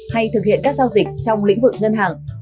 hay thực hiện các giao dịch trong lĩnh vực ngân hàng